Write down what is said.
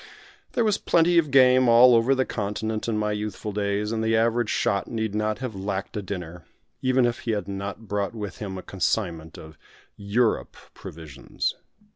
There was plenty of game all over the continent in my youthful days, and the average shot need not have lacked a dinner, even if he had not brought with him a consignment of "Europe" provisions.